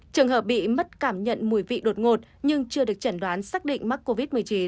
trường hợp bị mất cảm nhận mùi vị đột ngột nhưng chưa được chẩn đoán xác định mắc covid một mươi chín